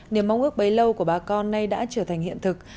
niềm mong ước bấy lâu của bà con nay đã trở thành hiện thực